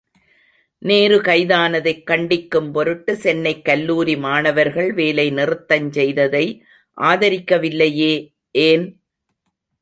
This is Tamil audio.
நேரு கைதானதைக் கண்டிக்கும் பொருட்டு, சென்னைக் கல்லூரி மாணவர்கள் வேலை நிறுத்தஞ் செய்ததை, ஆதரிக்க வில்லையே, ஏன்?.